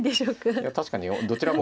いや確かにどちらも。